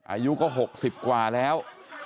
อายุก็๖๐กว่าแล้ว